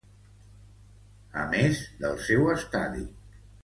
A més del seu Estadi.